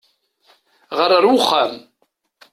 Ɣeṛ ar uxxam!